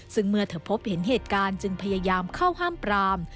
ซึ่งเมื่อเธอพบเห็นเหตุการณ์จึงพยายามเข้าห้ามปราม